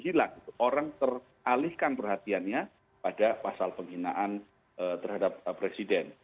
hilang orang teralihkan perhatiannya pada pasal penghinaan terhadap presiden